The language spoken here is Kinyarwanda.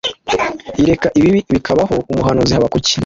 ireka ibibi bikabaho umuhanuzi Habakuki